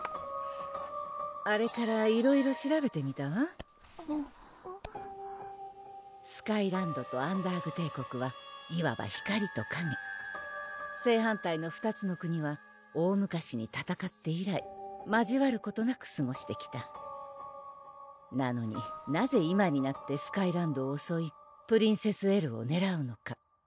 あれからいろいろ調べてみたわスカイランドとアンダーグ帝国はいわば光と影正反対の２つの国は大昔に戦って以来交わることなくすごしてきたなのになぜ今になってスカイランドをおそいプリンセス・エルをねらうのか？